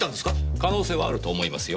可能性はあると思いますよ。